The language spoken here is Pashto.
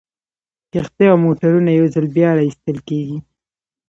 کښتۍ او موټرونه یو ځل بیا را ایستل کیږي